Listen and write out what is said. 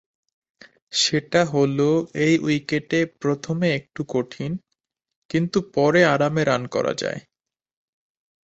সেটা হলো এই উইকেটে প্রথমে একটু কঠিন, কিন্তু পরে আরামে রান করা যায়।